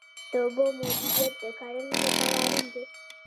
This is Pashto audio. د اوبو مدیریت د کرنې لپاره اړین دی